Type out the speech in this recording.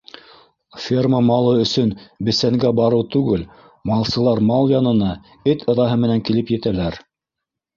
Ферма малы өсөн бесәнгә барыу түгел, малсылар мал янына эт ыҙаһы менән килеп етәләр.